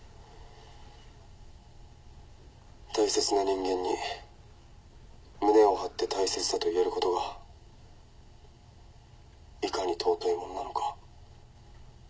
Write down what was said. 大切な人間に胸を張って大切だと言えることがいかに尊いものなのか